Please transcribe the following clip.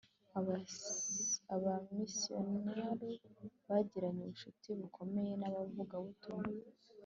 abamisiyonari bagiranye ubucuti bukomeye n'abavugabutumwa